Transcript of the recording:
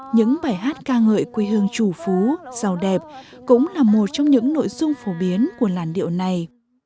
những bài hát ca ngợi quê hương chủ phú giàu đẹp cũng là một trong những nội dung phổ biến của làn điệu này